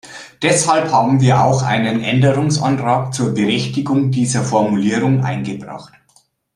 Deshalb haben wir auch einen Änderungsantrag zur Berichtigung dieser Formulierung eingebracht.